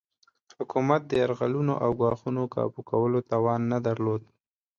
حکومت د یرغلونو او ګواښونو کابو کولو توان نه درلود.